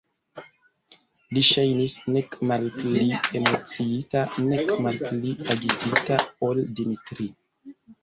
Li ŝajnis nek malpli emociita nek malpli agitita ol Dimitri.